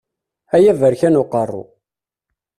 Ay aberkan uqerru!